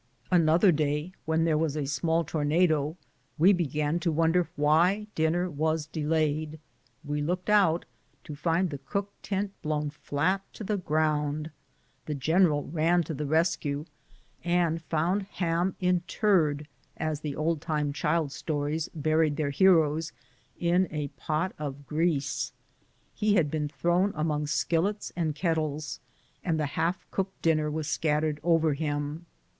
Another day, when there was a small tornado, we began to wonder why dinner was delayed ; we looked out, to find the cook tent blown flat to the ground. The general ran to the rescue, and found Ham interred, as the old time child stones buried their heroes, " in a pot of grease." He had been thrown among skillets and kettles, and the half cooked dinner was scattered over him.